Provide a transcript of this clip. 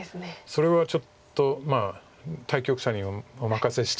それはちょっと対局者にお任せして。